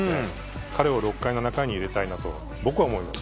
彼を６回７回に入れたいと僕は思います。